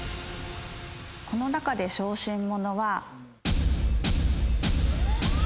この中で小心者は。